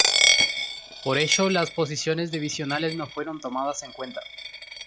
Por ello las posiciones divisionales no fueron tomadas en cuenta.